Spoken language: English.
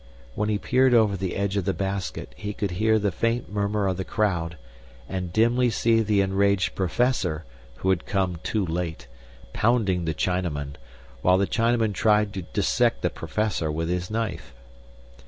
When he peered over the edge of the basket he could hear the faint murmur of the crowd, and dimly see the enraged Professor (who had come too late) pounding the Chinaman, while the Chinaman tried to dissect the Professor with his knife.